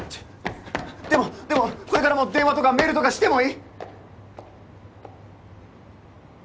でもでもこれからも電話とかメールとかしてもいい？